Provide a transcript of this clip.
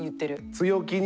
強気に。